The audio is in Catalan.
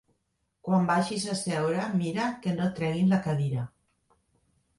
Quan vagis a seure mira que no et treguin la cadira.